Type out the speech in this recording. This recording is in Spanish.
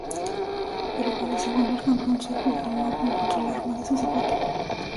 Pero cuando se encontró al campeón sueco Hjalmar, encontró la horma de su zapato.